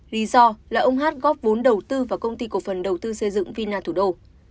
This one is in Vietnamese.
lý do là ông hát góp vốn đầu tư vào công ty cổ phần đầu tư xây dựng vina thủ đô